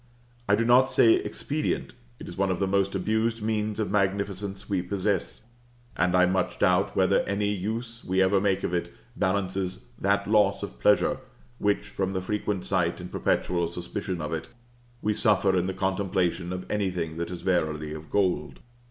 I do not say expedient: it is one of the most abused means of magnificence we possess, and I much doubt whether any use we ever make of it, balances that loss of pleasure, which, from the frequent sight and perpetual suspicion of it, we suffer in the contemplation of anything that is verily of gold.